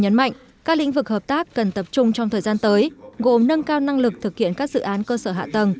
nhấn mạnh các lĩnh vực hợp tác cần tập trung trong thời gian tới gồm nâng cao năng lực thực hiện các dự án cơ sở hạ tầng